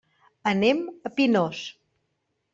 Anem a Pinós.